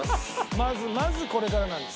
まずまずこれからなんです。